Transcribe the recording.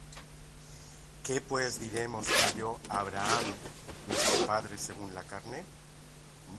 ¿Que, pues, diremos que halló Abraham nuestro padre según la carne?